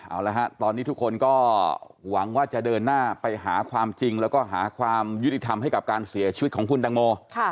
เอาละฮะตอนนี้ทุกคนก็หวังว่าจะเดินหน้าไปหาความจริงแล้วก็หาความยุติธรรมให้กับการเสียชีวิตของคุณตังโม